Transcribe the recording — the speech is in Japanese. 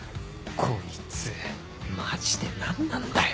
こいつマジで何なんだよ⁉